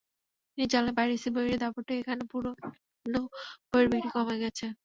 তিনি জানালেন, পাইরেসি বইয়ের দাপটে এখানে পুরোনো বইয়ের বিক্রি কমে গেছে।